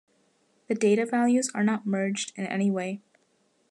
The data values are not merged in any way.